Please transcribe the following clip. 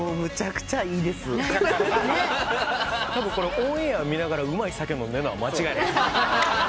オンエア見ながらうまい酒飲んでんのは間違いない。